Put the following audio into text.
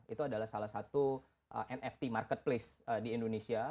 itu adalah salah satu nft marketplace di indonesia